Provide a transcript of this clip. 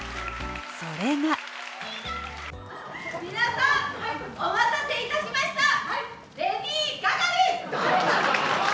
それが皆さん、お待たせいたしました、レディー・ガガです。